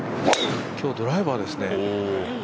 今日、ドライバーですね。